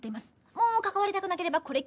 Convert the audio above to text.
もう関わりたくなければこれっきりでいい。